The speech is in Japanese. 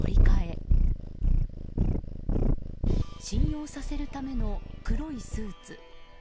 信用させるための黒いスーツ。